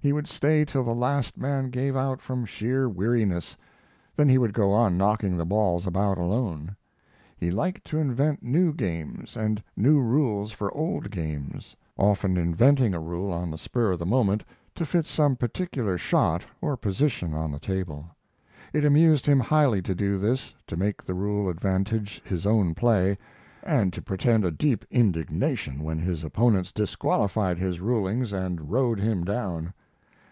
He would stay till the last man gave out from sheer weariness; then he would go on knocking the balls about alone. He liked to invent new games and new rules for old games, often inventing a rule on the spur of the moment to fit some particular shot or position on the table. It amused him highly to do this, to make the rule advantage his own play, and to pretend a deep indignation when his opponents disqualified his rulings and rode him down.